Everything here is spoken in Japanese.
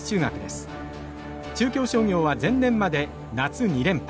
中京商業は前年まで夏２連覇。